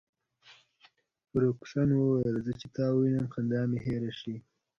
فرګوسن وویل: زه چي تا ووینم، خندا مي هېره شي.